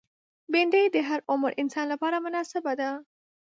بېنډۍ د هر عمر انسان لپاره مناسبه ده